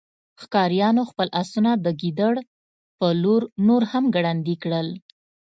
ښکاریانو خپل آسونه د ګیدړ په لور نور هم ګړندي کړل